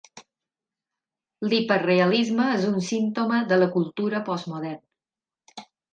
L'hiperrealisme és un símptoma de la cultura postmoderna.